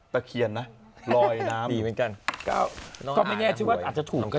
ตะเคียนน่ะลอยน้ำดีเหมือนกัน